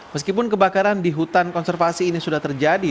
meskipun kebakaran di hutan konservasi ini sudah terjadi